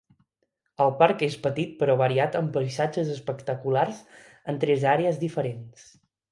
El parc és petit però variat amb paisatges espectaculars en tres àrees diferents.